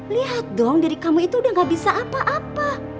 lihat dong diri kamu itu udah gak bisa apa apa